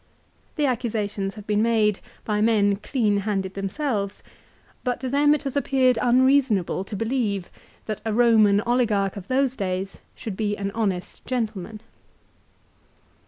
The accusations have been made by men clean handed themselves ; but to them it has appeared unreasonable to believe that a Roman oligarch of those days should be an honest gentleman.